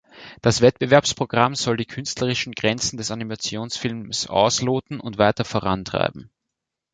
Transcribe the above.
Das Wettbewerbsprogramm soll die künstlerischen Grenzen des Animationsfilms ausloten und weiter vorantreiben.